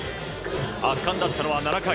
圧巻だったのは７回。